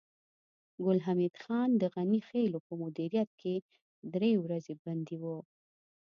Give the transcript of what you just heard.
ګل حمید خان د غني خېلو په مدیریت کې درې ورځې بندي و